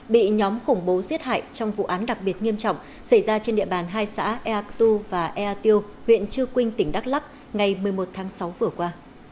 bị nhóm khủng bố giết hại trong vụ án đặc biệt nghiêm trọng xảy ra trên địa bàn hai xã ea cơ tu và ea tiêu huyện trư quynh tỉnh đắk lắc ngày một mươi một tháng sáu vừa qua